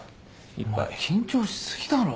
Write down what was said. お前緊張しすぎだろ。